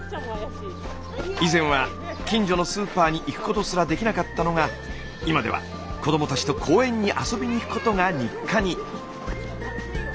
以前は近所のスーパーに行くことすらできなかったのが今では子どもたちと公園に遊びに行くことが日課に。